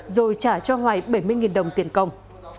rồi trả cho hoài bảy mươi đồng tiền công